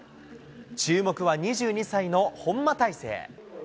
注目は２２歳の本間大晴。